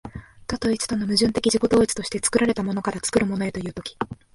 多と一との矛盾的自己同一として、作られたものから作るものへという時、